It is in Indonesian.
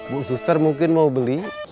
bu suster mungkin mau beli